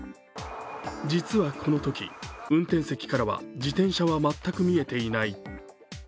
実はこのとき、運転席からは自転車は全く見えていない。